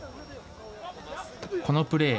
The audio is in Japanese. このプレー。